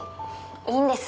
いいんです。